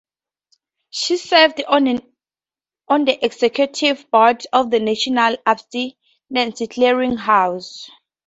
She serves on the executive board of the National Abstinence Clearinghouse.